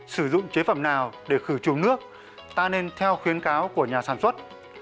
sử dụng chế phẩm nào để khử trùng nước ta nên theo khuyến cáo của nhà sản xuất